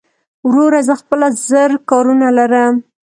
وروره زه خپله زر کارونه لرم